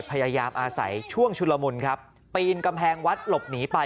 พยายามอาศัยช่วงชุลมุนครับปีนกำแพงวัดหลบหนีไป